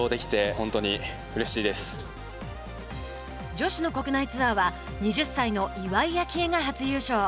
女子の国内ツアーは２０歳の岩井明愛が初優勝。